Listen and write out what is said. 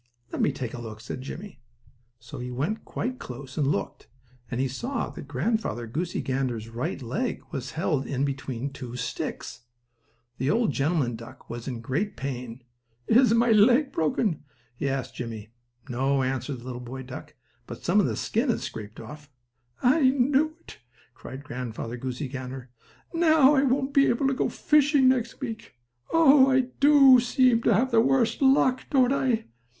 "Let me take a look," said Jimmie. So he went quite close and looked, and he saw that Grandfather Goosey Gander's right leg was held in between two sticks. The old gentleman duck was in great pain. "Is my leg broken?" he asked Jimmie. "No," answered the little boy duck, "but some of the skin is scraped off." "I knew it!" cried Grandfather Goosey Gander. "Now I won't be able to go fishing next week. Oh, I do seem to have the worst luck; don't I?"